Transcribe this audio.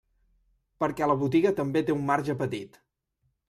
Perquè la botiga també té un marge petit.